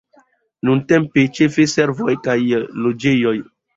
Nuntempe ĉefe servoj kaj loĝejoj.